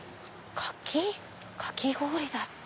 かき氷だって。